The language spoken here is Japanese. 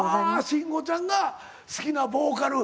慎吾ちゃんが好きなボーカル。